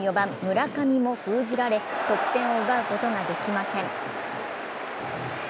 頼みの４番・村上も封じられ、得点を奪うことができません。